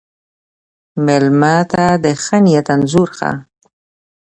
مېلمه ته د ښه نیت انځور شه.